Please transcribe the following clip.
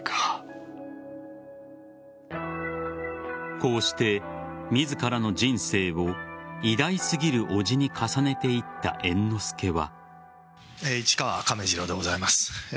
こうして自らの人生を偉大すぎる伯父に重ねていった猿之助は。